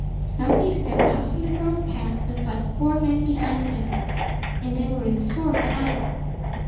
Stumpy stepped out from the grove path with but four men behind him; and they were in sore plight.